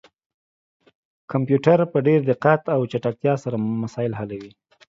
کمپيوټر په ډير دقت او چټکتيا سره مسايل حلوي